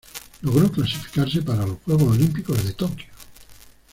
Logró clasificarse para los Juegos Olímpicos de Tokio.